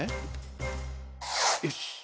よし！